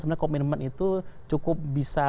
sebenarnya komitmen itu cukup bisa